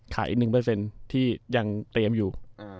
อีก๑ที่ยังเตรียมอยู่